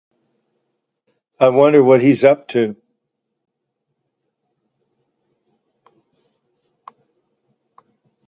I wonder what he is up to.